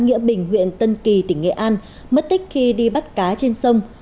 nghĩa bình huyện tân kỳ tỉnh nghệ an mất tích khi đi bắt cá trên sông